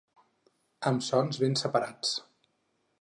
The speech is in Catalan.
Amb sons ben separats.